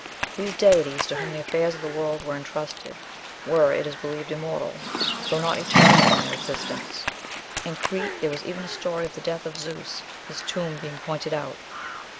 "These deities, to whom the affairs of the world were intrusted, were, it is believed, immortal, though not eternal in their existence. In Crete there was even a story of the death of Zeus, his tomb being pointed out."